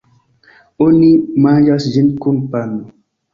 Oni manĝas ĝin kun pano.